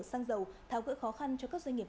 xăng dầu tháo gỡ khó khăn cho các doanh nghiệp